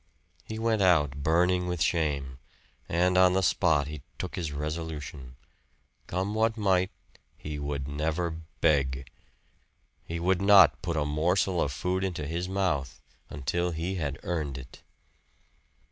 He went out burning with shame, and on the spot he took his resolution come what might, he would never beg. He would not put a morsel of food into his mouth until he had earned it.